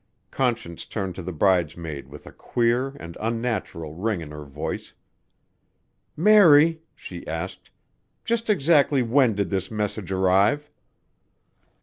Conscience turned to the bridesmaid with a queer and unnatural ring in her voice. "Mary," she asked, "just exactly when did this message arrive?"